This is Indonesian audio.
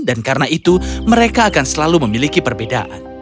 dan karena itu mereka akan selalu memiliki perbedaan